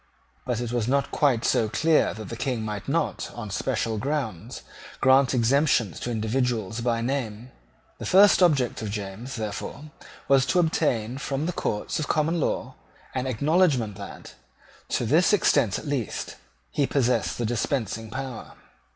But it was not quite so clear that the King might not, on special grounds, grant exemptions to individuals by name. The first object of James, therefore, was to obtain from the courts of common law an acknowledgment that, to this extent at least, he possessed the dispensing power.